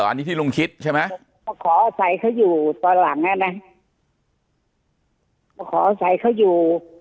อันนี้ที่ลุงคิดใช่ไหมมาขออาศัยเขาอยู่ตอนหลังอ่ะนะมาขออาศัยเขาอยู่